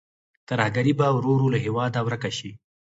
ترهګري به ورو ورو له هېواده ورکه شي.